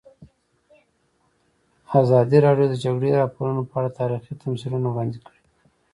ازادي راډیو د د جګړې راپورونه په اړه تاریخي تمثیلونه وړاندې کړي.